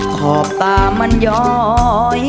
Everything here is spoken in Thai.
ขอบตามันย้อย